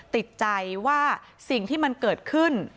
ติดใจว่าสิ่งที่มันเกิดขึ้น